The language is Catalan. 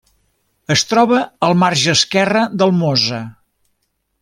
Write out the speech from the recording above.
Es troba al marge esquerre del Mosa.